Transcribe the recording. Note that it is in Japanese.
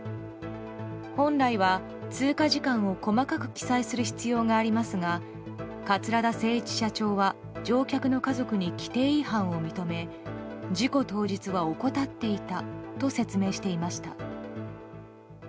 本来は通過時間を細かく記載する必要がありますが桂田精一社長は乗客の家族に規程違反を認め事故当日は怠っていたと説明していました。